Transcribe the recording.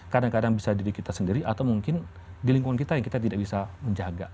kadang kadang bisa diri kita sendiri atau mungkin di lingkungan kita yang kita tidak bisa menjaga